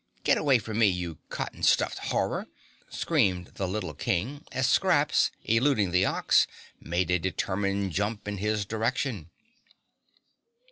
Get away from me, you cotton stuffed horror!" screamed the little King, as Scraps, eluding the Ox, made a determined jump in his direction.